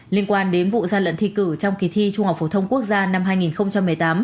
liên quan đến vụ gian lận thi cử trong kỳ thi trung học phổ thông quốc gia năm hai nghìn một mươi tám